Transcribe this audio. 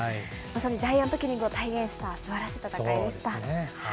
ジャイアントキリングを体現したすばらしい戦いでした。